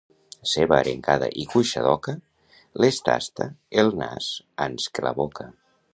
Ceba, arengada i cuixa d'oca, les tasta el nas ans que la boca.